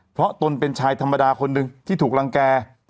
เพราะตนเป็นชายธรรมดาคนหนึ่งที่ถูกรังแก่